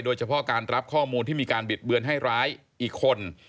โดยเฉพาะการรับข้อมูลที่มีการบิดเบือนให้ร้ายอีกคน